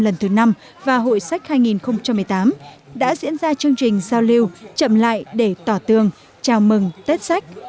lần thứ năm và hội sách hai nghìn một mươi tám đã diễn ra chương trình giao lưu chậm lại để tỏ tương chào mừng tết sách